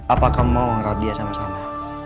apakah mau merabia sama sama